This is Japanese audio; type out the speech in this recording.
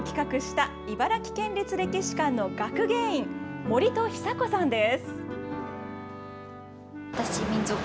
今回の展示会を企画した茨城県立歴史館の学芸員、森戸日咲子さんです。